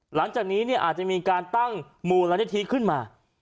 หลังจากนี้อาจจะมีการตั้งมูลนิธิขึ้นมา